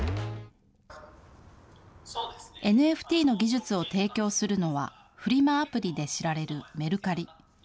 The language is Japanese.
ＮＦＴの技術を提供するのは、フリマアプリで知られるメルカリ。